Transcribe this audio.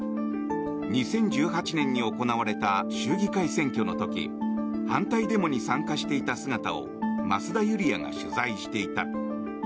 ２０１８年に行われた州議会選挙の時反対デモに参加していた姿を増田ユリヤが取材していた。